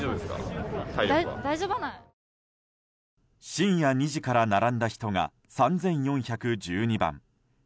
深夜２時から並んだ人が３４１２番。